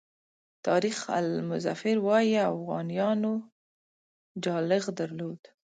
تاریخ آل مظفر وایي اوغانیانو جالغ درلود.